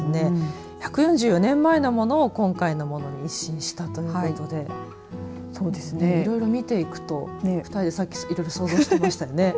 １４４年前のものを今回、一新したということでいろいろ見ていくといろいろ想像してしまいましたね。